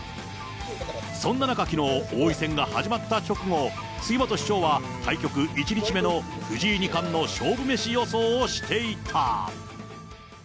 そんな中、きのう、王位戦が始まった直後、杉本師匠は対局１日目の藤井二冠の勝負メシ予想をしていた。